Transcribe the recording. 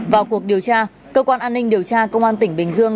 vào cuộc điều tra cơ quan an ninh điều tra công an tỉnh bình dương